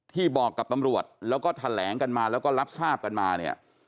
ที่บอกกับตำรวจแล้วก็แถลงกันมาแล้วก็รับทราบกันมาเนี่ย